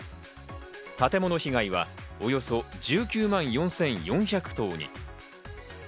建物被害はおよそ１９万４４００棟に。